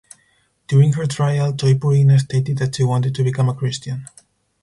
During her trial, Toypurina stated that she wanted to become a Christian.